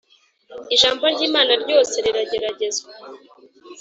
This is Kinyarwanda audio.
“ijambo ry’imana ryose rirageragezwa,